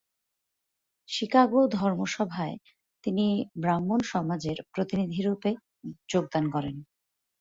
চিকাগো ধর্মমহাসভায় তিনি ব্রাহ্মসমাজের প্রতিনিধিরূপে যোগদান করেন।